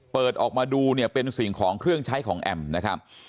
เปิดออกมาดูเนี่ยเป็นสิ่งของเครื่องใช้ของแอมนะครับ